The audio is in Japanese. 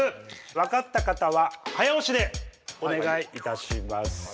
分かった方は早押しでお願いいたします。